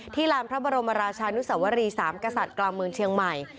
ลานพระบรมราชานุสวรีสามกษัตริย์กลางเมืองเชียงใหม่